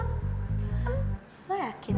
hah lo yakin